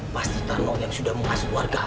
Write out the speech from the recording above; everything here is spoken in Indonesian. pasti tarno yang sudah menghasut warga